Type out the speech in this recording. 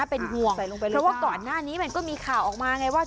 เป็นห่วงเพราะว่าก่อนหน้านี้มันก็มีข่าวออกมาไงว่า